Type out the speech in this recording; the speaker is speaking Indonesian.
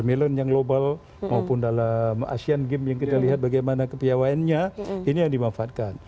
di global maupun dalam asian game yang kita lihat bagaimana kepiawaannya ini yang dimanfaatkan